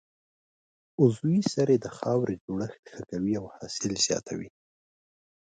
عضوي سرې د خاورې جوړښت ښه کوي او حاصل زیاتوي.